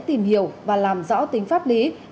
tìm hiểu và làm rõ tính pháp lý